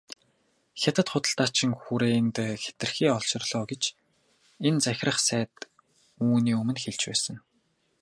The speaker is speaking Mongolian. Хятад худалдаачин хүрээнд хэтэрхий олширлоо гэж энэ захирах сайд үүний өмнө хэлж байсан.